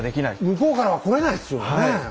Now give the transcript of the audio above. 向こうからは来れないですよねえ。